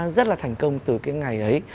rất là thành công từ cái ngày ấy